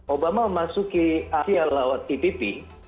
obama memasuki asia lewat tpp